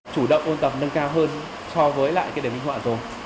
chủ động ôn tập nâng cao hơn so với lại cái đề minh họa rồi